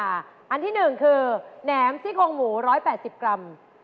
อันที่๑คือแหนมซี่โครงหมู๑๘๐กรัม